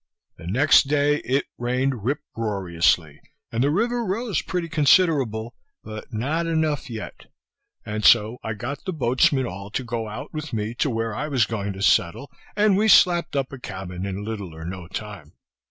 The next day it rained rip roriously, and the river rose pretty considerable, but not enough yet. And so I got the boatsmen all to go out with me to where I was going to settle, and we slap'd up a cabin in little or no time.